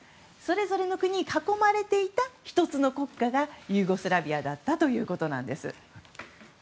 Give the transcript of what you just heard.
それぞれの国に囲まれていた１つの国家がユーゴスラビアだったということです。